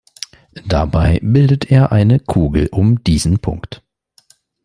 Dabei bildet er eine Kugel um diesen Punkt.